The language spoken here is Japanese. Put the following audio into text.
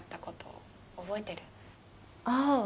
ああ。